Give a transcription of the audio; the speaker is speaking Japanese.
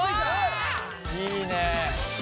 いいね。